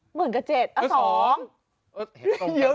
เหมือนกับ๗อ่ะ๒